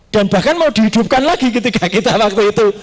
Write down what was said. dan bahkan mau dihidupkan lagi ketika kita waktu itu